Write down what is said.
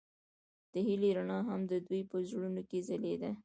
د هیلې رڼا هم د دوی په زړونو کې ځلېده.